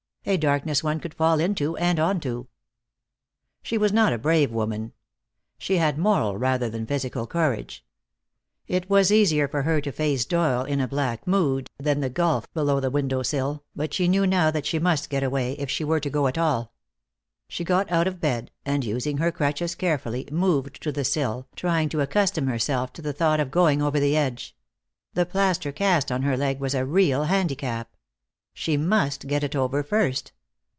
A darkness one could fall into and onto. She was not a brave woman. She had moral rather than physical courage. It was easier for her to face Doyle in a black mood than the gulf below the window sill, but she knew now that she must get away, if she were to go at all. She got out of bed, and using her crutches carefully moved to the sill, trying to accustom herself to the thought of going over the edge. The plaster cast on her leg was a real handicap. She must get it over first.